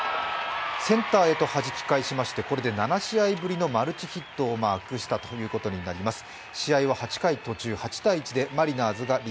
センターへとはじき返しましてこれで７試合ぶりのマルチヒットをマークしました。